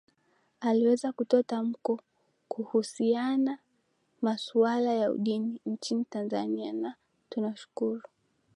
aliweza kutoa tamko kuhusiana masuala ya udini nchini tanzania na tunashukuru